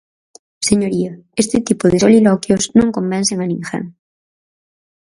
Señoría, este tipo de soliloquios non convencen a ninguén.